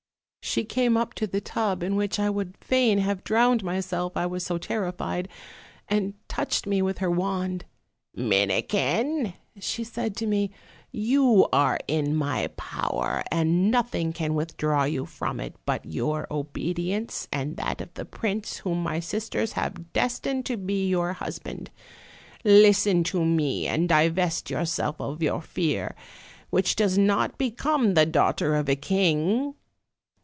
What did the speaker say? She came up to the tub, in which I would fain have drowned myself, I was so terrified, and touching me with her wand: 'Minikin/ said she to me, 'you are in my power, and nothing can withdraw you from it, but your obedience, and that of the prince,_whom my sisters have destined to be your husband. Listen to me, and divest yourself of your fear, which does not become the daughter of a king.